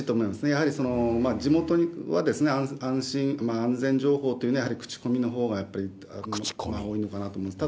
やはり地元は安心、安全情報というのは、やはり口コミのほうがやっぱり多いのかなと思います。